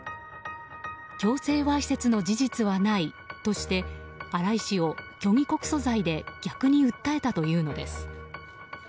強制わいせつの事実はないとして新井氏を虚偽告訴罪で逆に訴えたというのです。